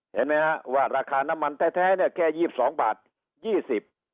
เห็นไหมฮะว่าราคาน้ำมันแท้แท้เนี่ยแค่ยี่สิบสองบาทยี่สิบ